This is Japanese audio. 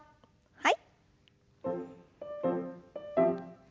はい。